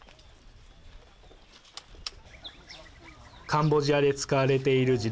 カンボジアで使われている地雷